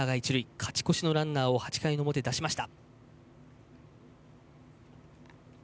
勝ち越しのランナーを出しました。